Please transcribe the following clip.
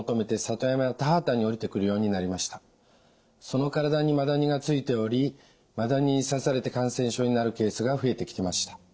その体にマダニがついておりマダニに刺されて感染症になるケースが増えてきました。